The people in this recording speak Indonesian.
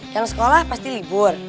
yang sekolah pasti libur